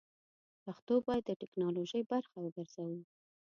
پښتو بايد د ټيکنالوژۍ برخه وګرځوو!